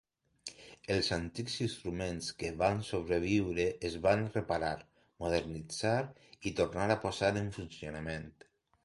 Els antics instruments que van sobreviure es van reparar, modernitzar i tornar a posar en funcionament.